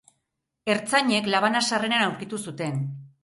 Ertzainek labana sarreran aurkitu zuten.